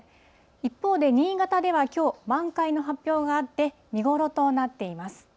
一方で、新潟ではきょう、満開の発表があって、見頃となっています。